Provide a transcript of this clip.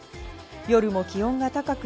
夜も気温が高く、